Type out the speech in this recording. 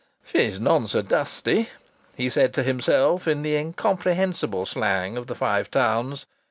"She's none so dusty!" he said to himself in the incomprehensible slang of the Five Towns.